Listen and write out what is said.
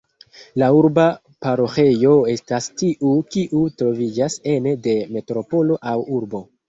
La urba paroĥejo estas tiu kiu troviĝas ene de metropolo aŭ urbo.